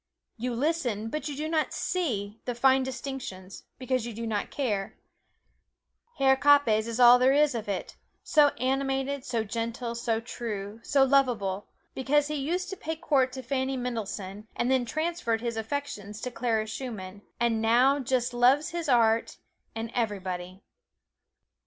You listen but you do not "see" the fine distinctions, because you do not care Herr Kappes is all there is of it, so animated, so gentle, so true, so lovable because he used to pay court to Fanny Mendelssohn and then transferred his affections to Clara Schumann, and now just loves his art, and everybody.